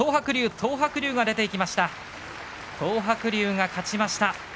東白龍勝ちました。